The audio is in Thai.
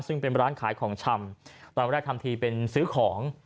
ซึ่งเป็นร้านขายของชำตอนแรกทำทีเป็นซื้อของ